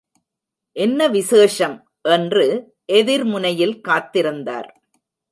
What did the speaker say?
என்ன விசேஷம்? என்று எதிர் முனையில் காத்திருந்தார்.